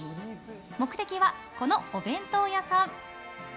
目的は、このお弁当屋さん。